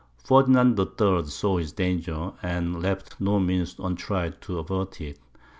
Ferdinand III. saw his danger, and left no means untried to avert it.